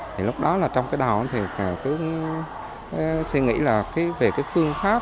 thì lúc đó là trong cái đầu thì cứ suy nghĩ là về cái phương pháp